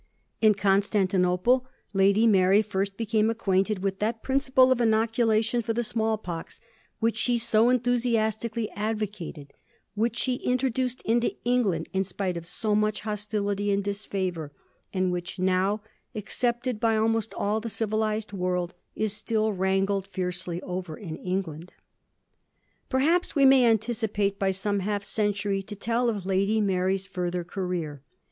In Constantinople Lady Mary first became acquainted with that principle of inoculation for the small pox which she so enthusiastically advo cated, which she introduced into England in spite of so much hostility and disfavour, and which, now accepted by almost all the civilised world, is still wrangled fiercely over in England. Perhaps we may anticipate by some half century to tell of Lady Mary's further career.